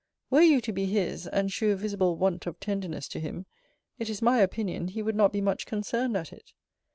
Were you to be his, and shew a visible want of tenderness to him, it is my opinion, he would not be much concerned at it.